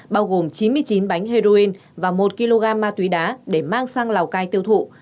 bao gồm chín mươi chín bánh heroin và một kg ma túy đá để mang sang lào cai tiêu thụ